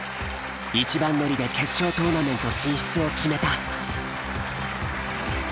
１番乗りで決勝トーナメント進出を決めた。